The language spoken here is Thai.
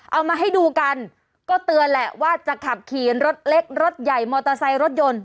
เอามาให้ดูกันก็เตือนแหละว่าจะขับขี่รถเล็กรถใหญ่มอเตอร์ไซค์รถยนต์